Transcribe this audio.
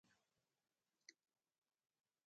دا په وجود کې د باور رامنځته کولو یوازېنۍ نسخه ده